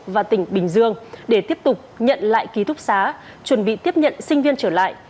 và tỉnh bình dương để tiếp tục nhận lại ký túc xá chuẩn bị tiếp nhận sinh viên trở lại